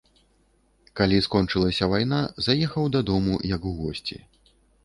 Калі скончылася вайна, заехаў дадому, як у госці.